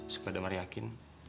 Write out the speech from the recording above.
supaya damar yakin